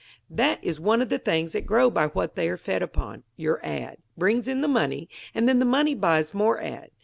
"That is one of the things that grow by what they are fed upon: your ad. brings in the money, and then the money buys more ad.